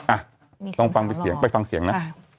อ่ะลองฟังไปเสียงไปฟังเสียงนะ